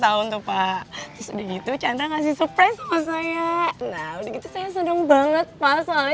tahun tuh pak sudah gitu candang ngasih surprise mau saya nah udah gitu saya seneng banget pasal